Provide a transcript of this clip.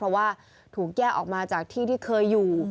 เพราะว่าถูกแยกออกมาจากที่ที่เคยอยู่